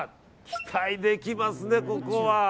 期待できますね、ここは。